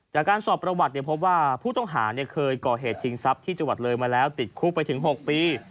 จากการสอบประวัติพบว่าผู้ต้องหาเคยก่อเหตุชิงทรัพย์ที่จังหวัดเลยมาแล้วติดคุกไปถึง๖ปี